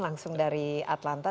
langsung dari atlanta